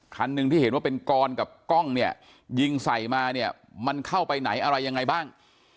คันหนึ่งที่เห็นว่าเป็นกรกับกล้องเนี่ยยิงใส่มาเนี่ยมันเข้าไปไหนอะไรยังไงบ้าง